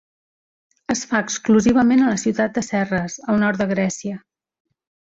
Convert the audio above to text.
Es fa exclusivament a la ciutat de Serres al nord de Grècia.